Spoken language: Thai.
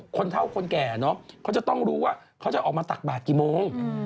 คนเท่าคนแก่เนอะเขาจะต้องรู้ว่าเขาจะออกมาตักบาทกี่โมง